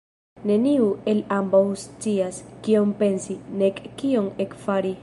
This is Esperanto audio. Neniu el ambaŭ scias, kion pensi, nek kion ekfari.